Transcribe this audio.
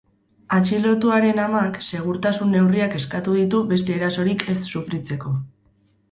Atxilotuaren amak, segurtasun neurriak eskatu ditu beste erasorik ez sufritzeko.